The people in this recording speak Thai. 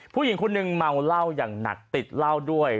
ผู้หญิงคนหนึ่งเมาเหล้าอย่างหนักติดเหล้าด้วย